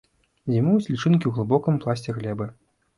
Зімуюць лічынкі ў глыбокім пласце глебы.